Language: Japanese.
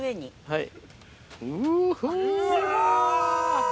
はい。